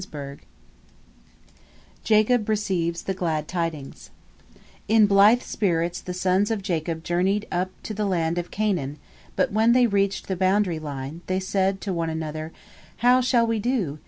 JACOB RECEIVES THE GLAD TIDINGS In blithe spirits the sons of Jacob journeyed up to the land of Canaan, but when they reached the boundary line, they said to one another, "How shall we do?